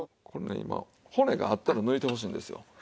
これね今骨があったら抜いてほしいんですよ。